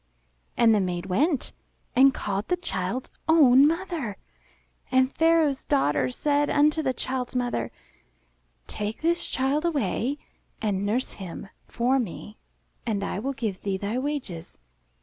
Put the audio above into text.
And the maid went and called the child's own mother. And Pharaoh's daughter said unto the child's mother, "Take this child away and nurse him for me, and I will give thee thy wages."